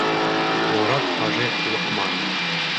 Морат хажи Лоҡманов: